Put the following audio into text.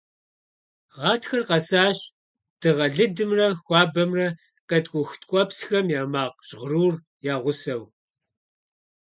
Гъатхэр къэсащ дыгъэ лыдымрэ хуабэмрэ, къеткӀух ткӀуэпсхэм я макъ жьгъырур я гъусэу.